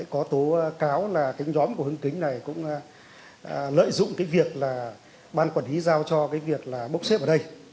có tố cáo là cái nhóm của hưng kính này cũng lợi dụng cái việc là ban quản lý giao cho cái việc là bốc xếp ở đây